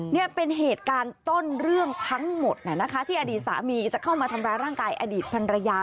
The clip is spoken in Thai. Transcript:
นี่เป็นเหตุการณ์ต้นเรื่องทั้งหมดที่อดีตสามีจะเข้ามาทำร้ายร่างกายอดีตพันรยา